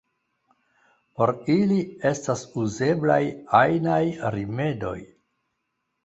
Por ili estas uzeblaj ajnaj rimedoj.